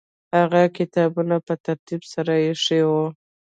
هغه کتابونه په ترتیب سره ایښي وو.